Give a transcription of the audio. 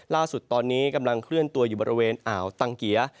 ล่าสุดตอนนี้กำลังเคลื่อนตัวอยู่บริเวณอ่าวตังเกีย